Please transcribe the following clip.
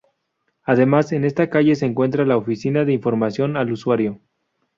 Además, en esta calle se encuentra la oficina de información al usuario.